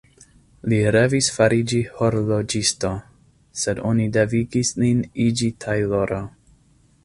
Li revis fariĝi horloĝisto, sed oni devigis lin iĝi tajloro.